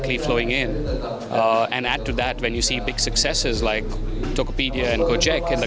dan setelah itu ketika anda melihat keberhasilan besar seperti tokopedia dan gojek di negara